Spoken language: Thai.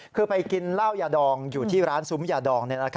คือไปกินเหล้ายาดองอยู่ที่ร้านซุ้มยาดอง